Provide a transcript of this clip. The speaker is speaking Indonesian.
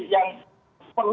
tadi yang saya sampaikan tadi